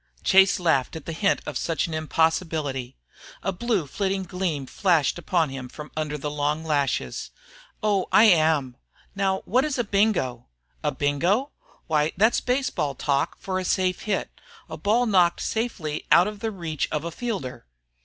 Chase laughed at the hint of such an impossibility. A blue flitting gleam flashed upon him from under the long lashes. "Oh, I am. Now what is a bingo?" "A bingo? Why that's baseball talk for a safe hit, a ball knocked safely out of the reach of a fielder."